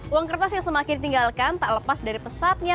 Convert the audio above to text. uang kertas yang semakin ditinggalkan tak lepas dari pesatnya